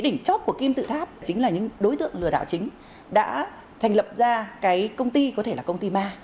đỉnh chóp của kim tự tháp chính là những đối tượng lừa đảo chính đã thành lập ra cái công ty có thể là công ty ma